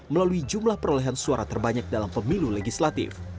melalui jumlah perolehan suara terbanyak dalam pemilu legislatif